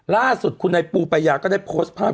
ล่าสุดคุณนายปูปายาก็ได้โพสต์ภาพ